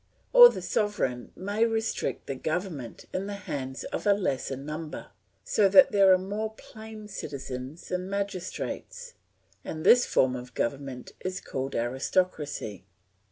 Or the sovereign may restrict the government in the hands of a lesser number, so that there are more plain citizens than magistrates; and this form of government is called Aristocracy.